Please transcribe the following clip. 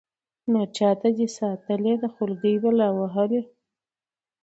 نو چاته دې ساتلې ده خولكۍ بلا وهلې.